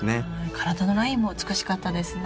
体のラインも美しかったですね。